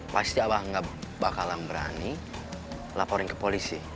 pasti abah nggak bakalan berani laporin ke polisi